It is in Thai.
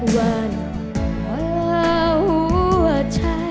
ว่าหน้าหัวใจ